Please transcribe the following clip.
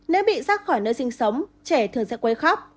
nếu bị ra khỏi nơi sinh sống trẻ thường sẽ quấy khóc